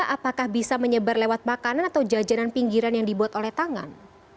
apakah bisa menyebar lewat makanan atau jajanan pinggiran yang dibuat oleh tangan